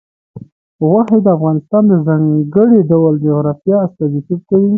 غوښې د افغانستان د ځانګړي ډول جغرافیه استازیتوب کوي.